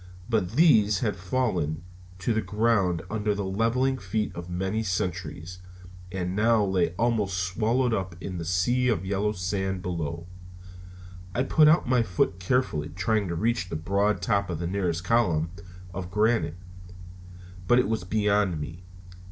But these had fallen to the ground under the leveling feet of many centuries, and now lay almost swallowed up in the sea of yellow sands below. I put out my foot carefully, trying to reach the broad top of the nearest column of granite, but it was beyond me.